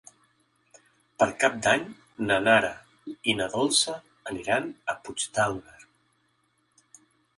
Per Cap d'Any na Nara i na Dolça aniran a Puigdàlber.